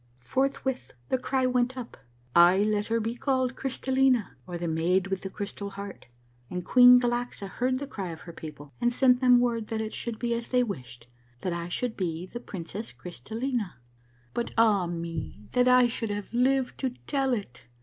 " Forthwith the cry went up :' Ay, let her be called Crystal lina, or the Maid with the Crystal Heart,' and Queen Galaxa heard the cry of her people and sent them word that it should be as they wished — that I should be the Princess Crystallina. " But. ah me, that I should have lived to tell it